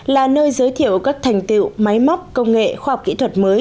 là nơi giới thiệu các thành tiệu máy móc công nghệ khoa học kỹ thuật mới